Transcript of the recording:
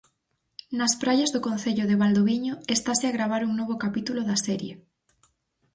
Nas praias do concello de Valdoviño, estase a gravar un novo capítulo da serie.